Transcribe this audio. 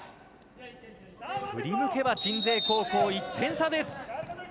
振り向けば鎮西高校、１点差です。